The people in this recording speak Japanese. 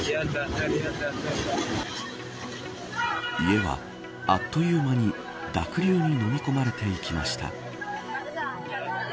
家は、あっという間に濁流にのみ込まれていきました。